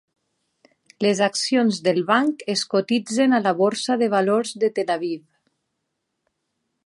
Les accions del banc es cotitzen a la Borsa de Valors de Tel Aviv.